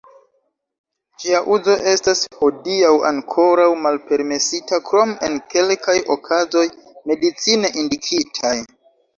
Ĝia uzo estas hodiaŭ ankoraŭ malpermesita krom en kelkaj okazoj medicine indikitaj.